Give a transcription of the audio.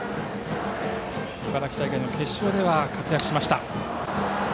茨城大会の決勝では活躍しました。